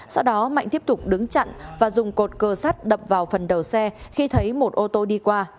sau đó mạnh tiếp tục đứng chặn và dùng cột cơ sắt đập vào phần đầu xe khi thấy một ô tô đi qua